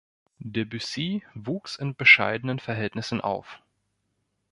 Debussy wuchs in bescheidenen Verhältnissen auf.